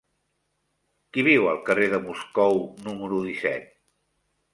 Qui viu al carrer de Moscou número disset?